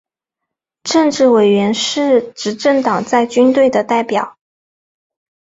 政治委员是执政党在军队的代表。